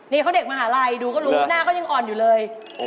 นี่เขาเด็กมหาลัยดูก็รู้หน้าเขายังอ่อนอยู่เลย